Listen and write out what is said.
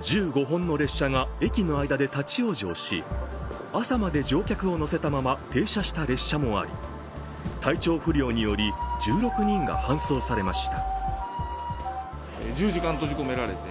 １５本の列車が駅の間で立往生し、朝まで乗客を乗せたまま停車した列車もあり、体調不良により１６人が搬送されました。